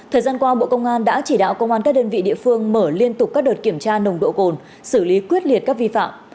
thời gian qua bộ công an đã chỉ đạo công an các đơn vị địa phương mở liên tục các đợt kiểm tra nồng độ cồn xử lý quyết liệt các vi phạm